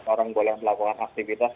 orang boleh melakukan aktivitas